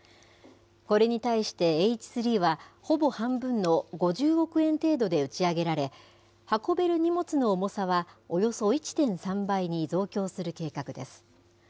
これに対して、Ｈ３は、ほぼ半分の５０億円程度で打ち上げられ、運べる荷物の重さはおよそ１．３倍に増強する計画です。